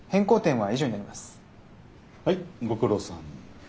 はいご苦労さん。